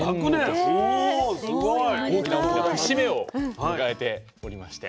おすごい！大きな大きな節目を迎えておりまして。